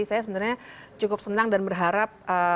saya sebenarnya cukup senang dan berharap